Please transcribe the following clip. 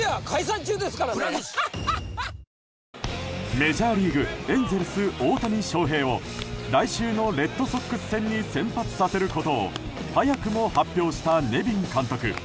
メジャーリーグエンゼルス、大谷翔平を来週のレッドソックス戦に先発させることを早くも発表したネビン監督。